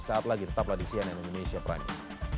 saat lagi tetap ladisi aneh indonesia pranik